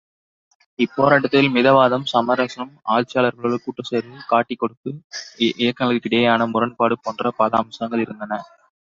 இப்போராட்டத்தில் மிதவாதம், சமரசம், ஆட்சியாளரோடு கூட்டுச்சேர்வு, காட்டிக் கொடுப்பு, இயக்கங்களிடையேயான முரண்பாடு போன்ற பல அம்சங்கள் இருந்தன.